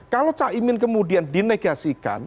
kalau caimin kemudian dinegasikan